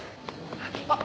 あっ！